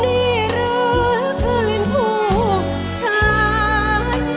นี่หรือคือลิ้นผู้ชาย